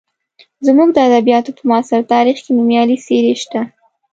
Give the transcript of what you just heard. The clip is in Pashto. زموږ د ادبیاتو په معاصر تاریخ کې نومیالۍ څېرې شته.